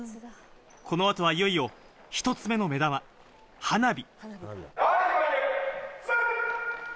この後はいよいよ１つ目の目玉、花火。